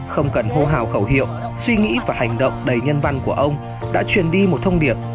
không cần hô hào khẩu hiệu suy nghĩ và hành động đầy nhân văn của ông đã truyền đi một thông điệp